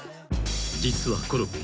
［実はコロッケ］